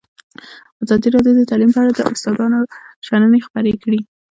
ازادي راډیو د تعلیم په اړه د استادانو شننې خپرې کړي.